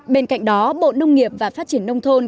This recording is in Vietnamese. bên cạnh đó bộ nông nghiệp và phát triển nông thôn